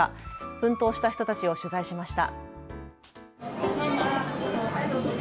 奮闘した人たちを取材しました。